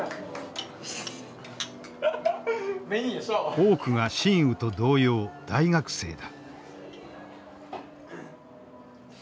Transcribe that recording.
多くが新雨と同様大学生だ。